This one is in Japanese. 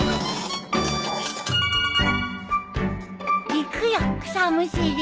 行くよ草むしり。